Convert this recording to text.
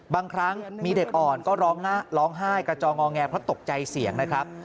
บางครั้งมีเด็กอ่อนก็ร้องไห้กระจองงอแงเพราะตกใจเสียงนะครับ